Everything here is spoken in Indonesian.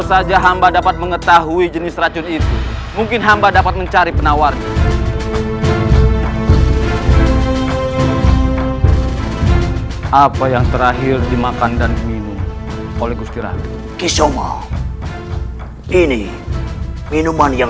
sampai jumpa di video selanjutnya